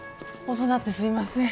遅なってすいません。